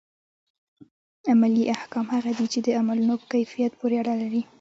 عملي احکام هغه دي چي د عملونو په کيفيت پوري اړه لري.